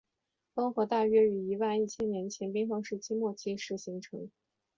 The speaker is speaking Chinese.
东河大约于一万一千年前冰河时期末期时形成。